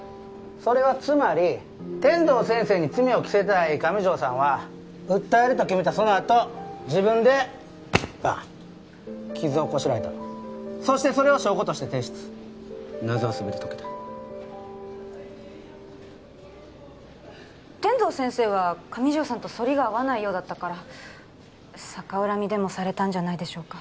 それはつまり天堂先生に罪を着せたい上条さんは訴えると決めたそのあと自分でバン傷をこしらえたそしてそれを証拠として提出謎は全て解けた天堂先生は上条さんとソリが合わないようだったから逆恨みでもされたんじゃないでしょうか？